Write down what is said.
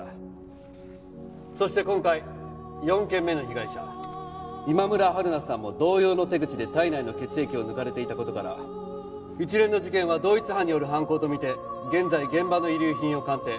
そして今回４件目の被害者今村春菜さんも同様の手口で体内の血液を抜かれていた事から一連の事件は同一犯による犯行とみて現在現場の遺留品を鑑定。